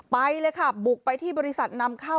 ไปเลยค่ะบุกไปที่บริษัทนำเข้า